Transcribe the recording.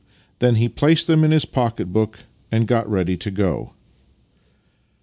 Then he placed them in his pocket book and got ready to go.